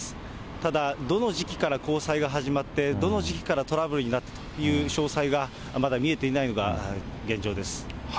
ただ、どの時期から交際が始まって、どの時期からトラブルになったという詳細がまだ見えていないのが現状です。